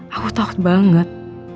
aku takut banget